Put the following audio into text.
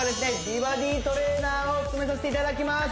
美バディトレーナーを務めさせていただきます